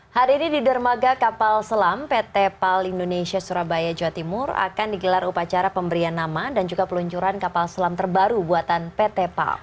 hari ini di dermaga kapal selam pt pal indonesia surabaya jawa timur akan digelar upacara pemberian nama dan juga peluncuran kapal selam terbaru buatan pt pal